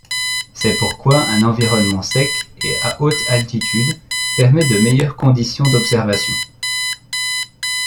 C’est pourquoi un environnement sec et à haute altitude permet de meilleurs conditions d’observation.